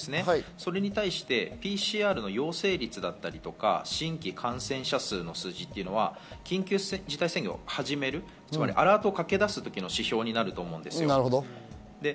それに対してＰＣＲの陽性率や、新規感染者数の数字は緊急事態宣言を始める、アラートをかける指標になると思うんですよ。